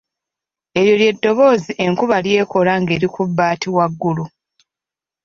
Eryo ly’eddoboozi enkuba ly’ekola ng’eri ku bbaati waggulu.